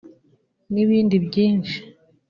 n’ibindi byinshi”